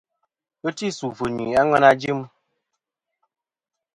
Ghɨ ti sù fɨ̀ nyuy a ŋweyn a jɨm.